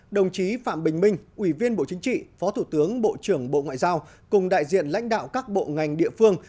đồng chí phạm bình minh ủy viên bộ chính trị phó thủ tướng bộ trưởng bộ ngoại giao cùng đại diện lãnh đạo các bộ ngành địa phương